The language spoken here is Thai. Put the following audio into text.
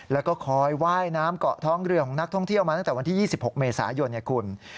แล้วก็คอยว่ายน้ำเกาะท้องเรือของนักท่องเที่ยวมาตั้งแต่วันที่๒๖เมษายนไงคุณ